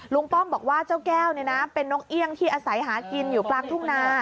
ป้อมบอกว่าเจ้าแก้วเป็นนกเอี่ยงที่อาศัยหากินอยู่กลางทุ่งนา